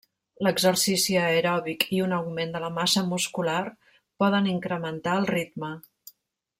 L'exercici aeròbic i un augment de la massa muscular poden incrementar el ritme.